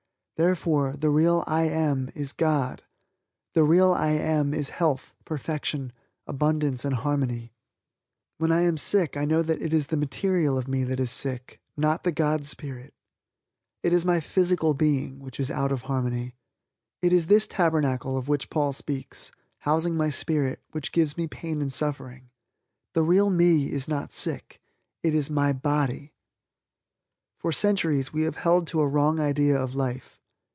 Therefore, the real "I am" is God; the real "I am" is health, perfection, abundance and harmony. When I am sick I know that it is the material of me that is sick, not the God Spirit; it is my physical being which is out of harmony, it is this Tabernacle of which Paul speaks, housing my spirit, which gives me pain and suffering. The real "me" is not sick, it is my body. For centuries we have held to a wrong idea of life.